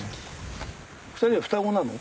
２人は双子なの？